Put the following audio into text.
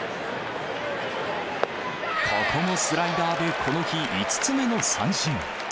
ここもスライダーでこの日５つ目の三振。